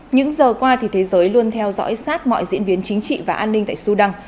những giờ qua thì thế giới luôn theo dõi sát mọi diễn biến chính trị và an ninh tại sudan